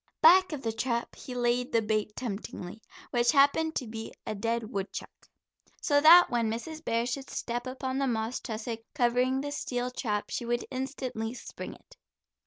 Back of the trap he laid the bait temptingly, which happened to be a dead woodchuck. So that when Mrs. Bear should step upon the moss tussock covering the steel trap, she would instantly spring it.